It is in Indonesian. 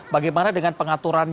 bagaimana dengan pengaturan